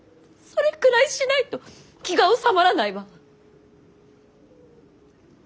それくらいしないと気が収まらないわ。